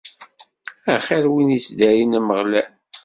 Axir win yettdarin Ameɣlal.